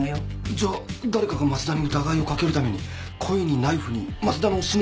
じゃ誰かが増田に疑いを掛けるために故意にナイフに増田の指紋を付けたってこと？